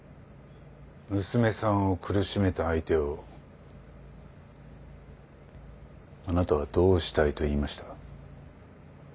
娘さんを苦しめた相手をあなたはどうしたいと言いました？